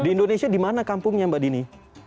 di indonesia dimana kampungnya mbak dini